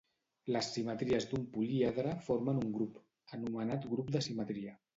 Les simetries d'un políedre formen un grup, anomenat grup de simetria.